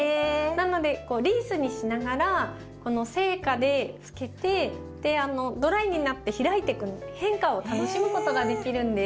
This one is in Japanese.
なのでリースにしながら生花でつけてドライになって開いてく変化を楽しむことができるんです。